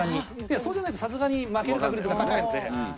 そうじゃないとさすがに負ける確率が高いので。